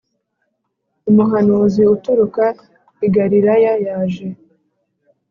umuhanuzi uturuka i Galilaya yaje